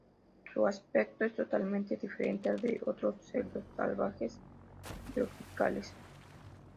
Su aspecto es totalmente diferente al de otros cerdos salvajes tropicales.